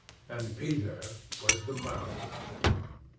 And Peter was the mouse.